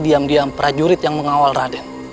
diam diam prajurit yang mengawal raden